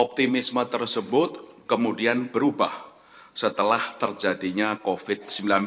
optimisme tersebut kemudian berubah setelah terjadinya covid sembilan belas